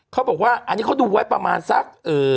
เขาบอกว่าอันนี้เขาดูไว้ประมาณสัก